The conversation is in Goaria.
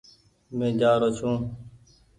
مينٚ جآرو ڇوٚنٚ